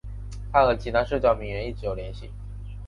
她和其他社交名媛一直有联系。